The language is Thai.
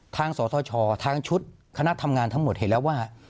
สทชทางชุดคณะทำงานทั้งหมดเห็นแล้วว่า